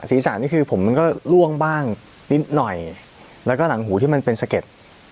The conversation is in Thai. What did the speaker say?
นี่คือผมมันก็ล่วงบ้างนิดหน่อยแล้วก็หลังหูที่มันเป็นสะเก็ด